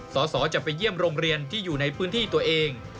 สสจะไปเยี่ยมโรงเรียนที่อยู่ในพื้นที่ตัวเอง